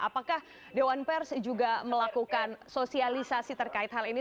apakah dewan pers juga melakukan sosialisasi terkait hal ini